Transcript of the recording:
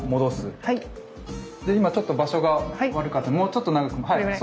で今ちょっと場所が悪かったのでもうちょっと長くても。